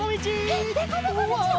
えっでこぼこみちだ！